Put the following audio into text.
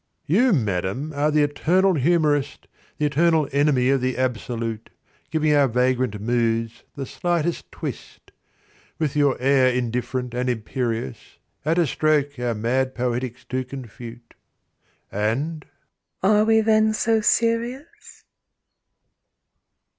"You, madam, are the eternal humorist, The eternal enemy of the absolute, Giving our vagrant moods the slightest twist! With your air indifferent and imperious At a stroke our mad poetics to confute " And "Are we then so serious?"